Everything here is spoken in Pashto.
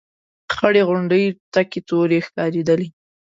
خړې غونډۍ تکې تورې ښکارېدلې.